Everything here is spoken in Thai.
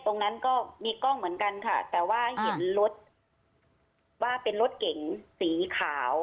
ตรงนั้นก็มีกล้องเหมือนกันค่ะแต่ว่าเห็นรถว่าเป็นรถเก๋งสีขาว